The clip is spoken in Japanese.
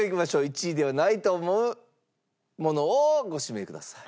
１位ではないと思うものをご指名ください。